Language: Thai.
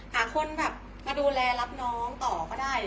หาคนแบบมาดูแลรับน้องต่อก็ได้